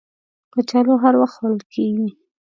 کچالو هر وخت خوړل کېږي